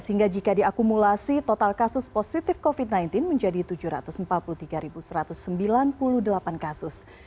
sehingga jika diakumulasi total kasus positif covid sembilan belas menjadi tujuh ratus empat puluh tiga satu ratus sembilan puluh delapan kasus